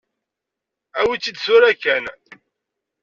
Awi-t-id tura kan.